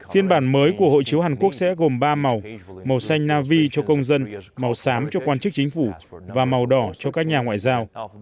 phiên bản mới của hội chiếu hàn quốc sẽ gồm ba màu màu xanh navi cho công dân màu xám cho quan chức chính phủ và màu đỏ cho các nhà ngoại giao